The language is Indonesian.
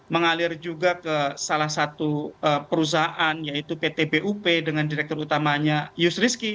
mengalir juga ke salah satu perusahaan yaitu pt bup dengan direktur utamanya yusrisky